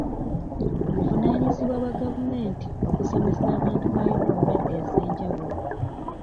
Buvunaanyizibwa bwa gavumenti okusomesa abantu baayo ku ndwadde ez'enjawulo.